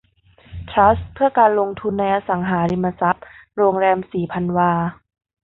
ทรัสต์เพื่อการลงทุนในอสังหาริมทรัพย์โรงแรมศรีพันวา